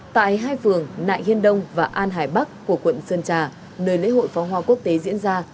tại hai phường nại hiên đông và an hải bắc của quận sơn trà nơi lễ hội pháo hoa quốc tế diễn ra